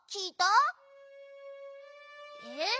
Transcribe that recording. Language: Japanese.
えっ？